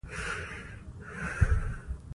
په افغانستان کې د اوبزین معدنونه منابع شته.